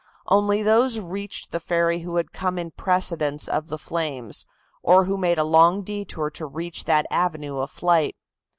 Only those reached the ferry who had come in precedence of the flames, or who made a long detour to reach that avenue of flight.